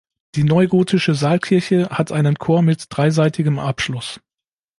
Die neugotische Saalkirche hat einen Chor mit dreiseitigem Abschluss.